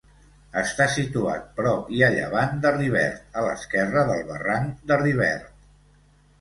Està situat prop i a llevant de Rivert, a l'esquerra del barranc de Rivert.